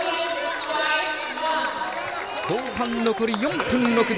後半残り４分６秒。